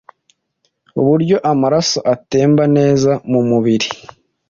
uburyo amaraso atembera neza mu mubiri.